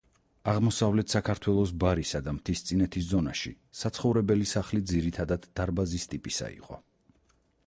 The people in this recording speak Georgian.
აღმოსავლეთ საქართველოს ბარისა და მთისწინეთის ზონაში საცხოვრებელი სახლი ძირითადად დარბაზის ტიპისა იყო.